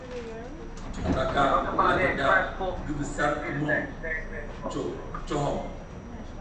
Tukuɗaka lagwada ngi vi sar kumuŋ jo cohom.